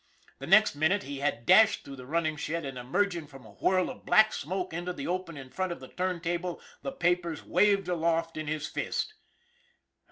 The next minute he had dashed through the running shed, and emerged from a whirl of black smoke into the open in front of the turntable, the papers waved aloft in his fist.